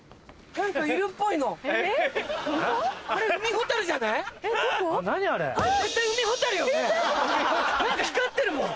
何か光ってるもん。